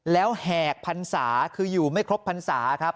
แล้วแหกพันศาคืออยู่ไม่ครบพรรษาครับ